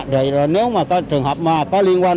rồi nếu mà có trường hợp mà có liên quan